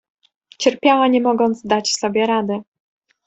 Cierpiała nie mogąc dać sobie rady.